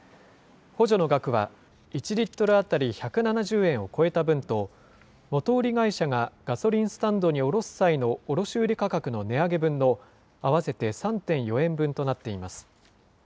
補助の額は、１リットル当たり１７０円を超えた分と、元売り会社がガソリンスタンドに卸す際の卸売り価格の値上げ分の合わせて３．４円分となっています。